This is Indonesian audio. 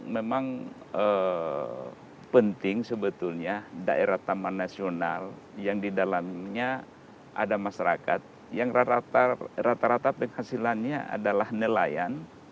memang penting sebetulnya daerah taman nasional yang di dalamnya ada masyarakat yang rata rata penghasilannya adalah nelayan